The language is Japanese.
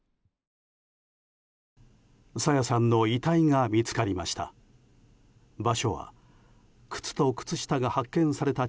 朝芽さんの遺体が見つかりました。